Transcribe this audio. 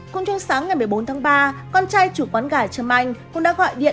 cũng trong sáng ngày một mươi bốn tháng ba con trai chủ quán gà trâm anh cũng đã gọi điện